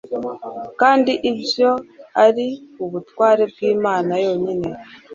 kandi ibyo ari ubutware bw'Imana yonyine.